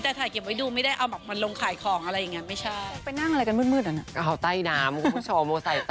แต่ถ่ายเก็บไว้ดูไม่ได้เอามาลงขายของ